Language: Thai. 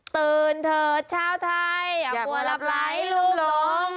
ตื่นเถิดชาวไทยอย่ากลัวหลับไหลลง